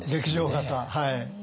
はい。